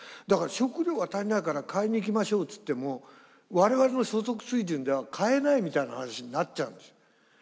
だから食料が足りないから買いに行きましょうっつっても我々の所得水準では買えないみたいな話になっちゃうんですよ。